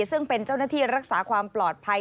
ซึ่งเป็นเจ้าหน้าที่รักษาความปลอดภัย